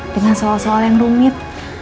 dengan soal soal yang rumit